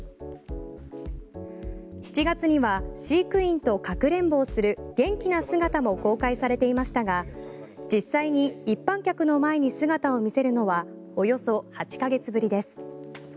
７月には飼育員とかくれんぼをする元気な姿も公開されていましたが実際に一般客の前に姿を見せるのはおよそ８か月ぶりです。